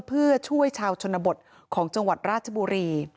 เพื่อช่วยชาวชนบทของจังหวัดราชบุรี